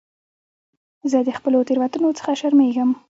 زه د خپلو تېروتنو څخه شرمېږم.